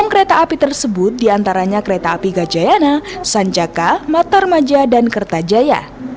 enam kereta api tersebut diantaranya kereta api gajayana sanjaka matarmaja dan kertajaya